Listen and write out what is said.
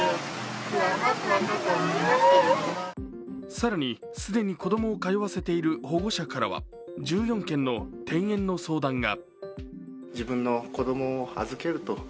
更に、既に子供を通わせている保護者からは１４件の転園の相談が。